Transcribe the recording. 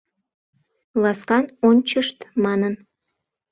Ласкан ончышт манын